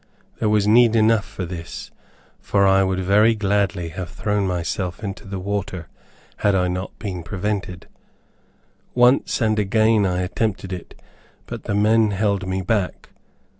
There was need enough of this, for I would very gladly have thrown myself into the water, had I not been prevented. Once and again I attempted it, but the men held me back.